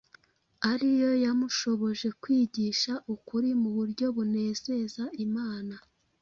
ari yo yamushoboje kwigisha ukuri mu buryo bunezeza Imana